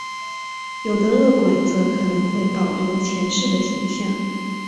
有的饿鬼则可能会保留前世的形象。